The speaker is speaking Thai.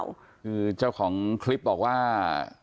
คือเจ้าของคลิปบอกว่า